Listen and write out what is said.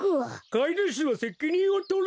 かいぬしはせきにんをとれ！